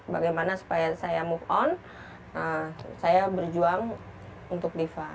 bagaimana supaya saya move on saya berjuang untuk diva